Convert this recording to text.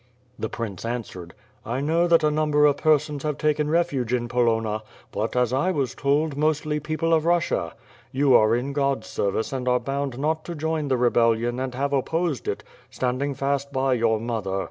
The prince answered, "I know that a number of persons have taken refuge in Polonna but, as I was told, mostly people of Russia. You are in God's service and are bound not to join the rebellion and have opposed it, standing fast by your mother.